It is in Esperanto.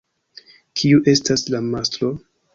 Kiu estas la mastro?